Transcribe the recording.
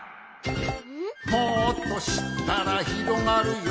「もっとしったらひろがるよ」